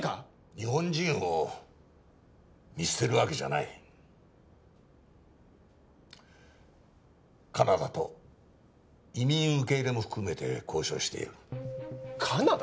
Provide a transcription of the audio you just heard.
日本人を見捨てるわけじゃないカナダと移民受け入れも含めて交渉しているカナダ！？